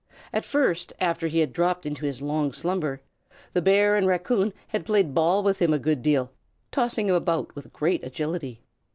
At first, after he had dropped into his long slumber, the bear and the raccoon had played ball with him a good deal, tossing him about with great agility.